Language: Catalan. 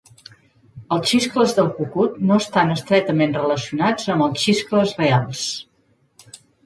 Els xiscles del cucut no estan estretament relacionats amb els xiscles reals.